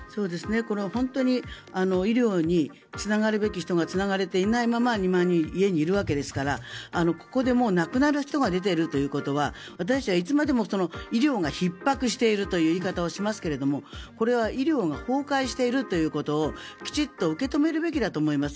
本当に医療につながるべき人がつながれていないまま２万人家にいるわけですからここでもう亡くなる人が出ているということは私たちはいつまでも医療がひっ迫しているという言い方をしますがこれは医療が崩壊しているということをきちんと受け止めるべきだと思います。